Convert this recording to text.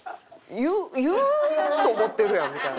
言う言うと思ってるやんみたいな。